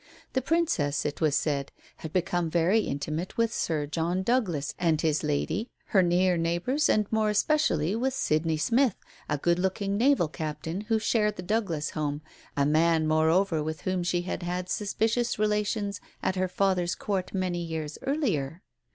The Princess, it was said, had become very intimate with Sir John Douglas and his lady, her near neighbours, and more especially with Sydney Smith, a good looking naval captain, who shared the Douglas home, a man, moreover, with whom she had had suspicious relations at her father's Court many years earlier.